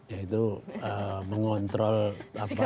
yaitu mengontrol apa